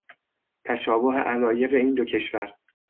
تشابه علایق این دو کشور